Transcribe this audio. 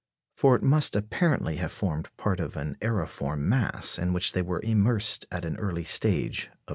For it must apparently have formed part of an aeriform mass in which they were immersed at an earlier stage of their history.